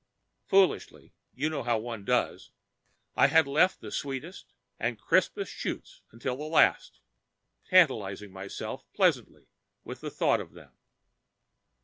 Foolishly you know how one does I had left the sweetest and crispest shoots till the last, tantalizing myself pleasantly with the thought of them.